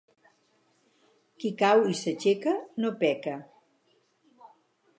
Qui cau i s'aixeca, no peca.